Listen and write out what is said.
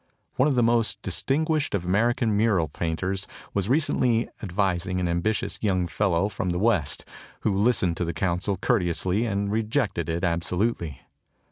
One of the most distinguished of American mural painters was recently advising an ambitious young fellow from the West, who listened to the counsel courteously and rejected it absolutely.